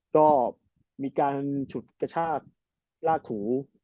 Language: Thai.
ก็มีการฉุดกระชากลากหู